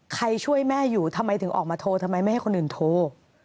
ช่วยแม่อยู่ทำไมถึงออกมาโทรทำไมไม่ให้คนอื่นโทร